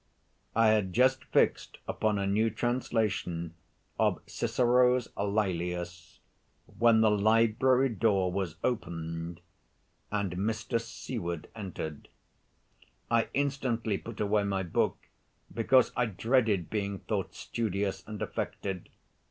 I had just fixed upon a new translation of Cicero's Lælius, when the library door was opened, and Mr. Seward entered. I instantly put away my book because I dreaded being thought studious and affected.